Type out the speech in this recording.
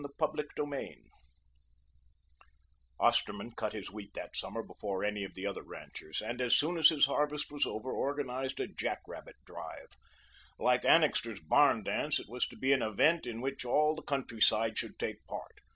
CHAPTER VI Osterman cut his wheat that summer before any of the other ranchers, and as soon as his harvest was over organized a jack rabbit drive. Like Annixter's barn dance, it was to be an event in which all the country side should take part.